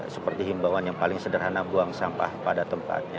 seperti himbawan yang paling sederhana buang sampah pada tempatnya